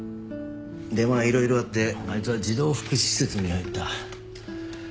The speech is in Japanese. でまあ色々あってあいつは児童福祉施設に入った。